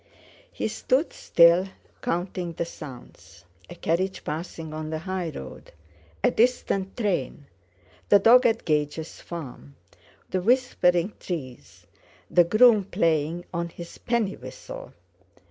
He stood still, counting the sounds—a carriage passing on the highroad, a distant train, the dog at Gage's farm, the whispering trees, the groom playing on his penny whistle.